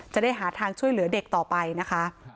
จะได้หาทางช่วยเหลือเด็กต่อไปนะคะ